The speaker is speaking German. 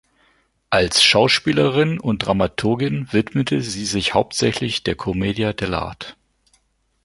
Als Schauspielerin und Dramaturgin widmete sie sich hauptsächlich der Commedia dell’arte.